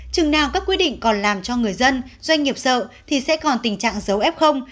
chừng nào các quy định còn làm cho người dân doanh nghiệp sợ thì sẽ còn tình trạng giấu ép không